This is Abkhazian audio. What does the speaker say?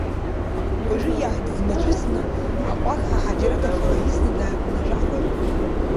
Уажәы иаадыдымацәысны, аҟәақҳәа Ҳаџьараҭ афы лаисны дааиҟәнажәахыр!